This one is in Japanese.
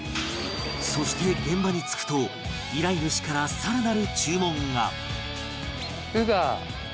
そして現場に着くと依頼主からさらなる注文が！